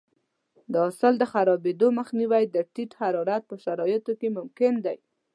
د حاصل د خرابېدو مخنیوی د ټیټ حرارت په شرایطو کې ممکن دی.